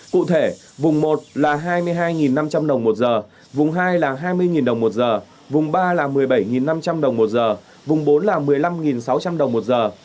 cụ thể vùng một là hai mươi hai năm trăm linh đồng một giờ vùng hai là hai mươi đồng một giờ vùng ba là một mươi bảy năm trăm linh đồng một giờ vùng bốn là một mươi năm sáu trăm linh đồng một giờ